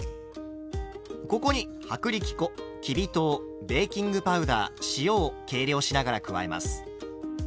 ここに薄力粉きび糖ベーキングパウダー塩を計量しながら加えます。